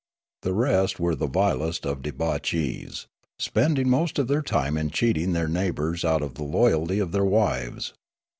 The rest were the vilest of debauchees, spending most of their time in cheating their neigh bours out of the loyalt}' of their wives.